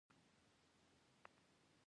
چترۍ چې دې نیولې وه، بیخي بل ډول ښکارېدې.